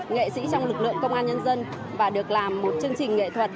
nghệ sĩ trong lực lượng công an nhân dân và được làm một chương trình nghệ thuật